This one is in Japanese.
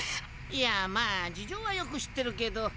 いやまあ事情はよく知ってるけど。